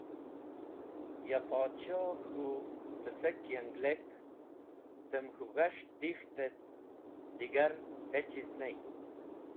Ya Podshoh k̃hũ pisek yanglek tem k̃hũ g̃has̃h dik̃ht et digar hechiz ney.